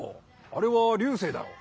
あれは流星だろ。